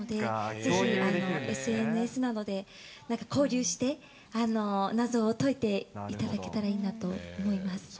ぜひＳＮＳなどでなんか交流して、謎を解いていただけたらいいなと思います。